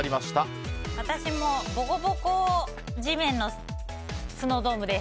私もボコボコ地面のスノードームです。